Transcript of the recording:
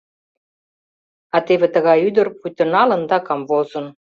А теве тыгай ӱдыр пуйто налын да камвозын.